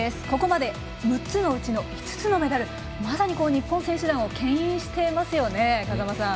ここまで６つのうちの５つのメダル、まさに日本選手団をけん引してますよね。